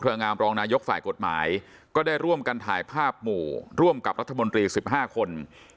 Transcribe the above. งามรองนายกฝ่ายกฎหมายก็ได้ร่วมกันถ่ายภาพหมู่ร่วมกับรัฐมนตรี๑๕คน